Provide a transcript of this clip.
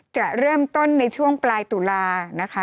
จำกัดจำนวนได้ไม่เกิน๕๐๐คนนะคะ